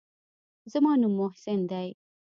زما نوم محسن دى.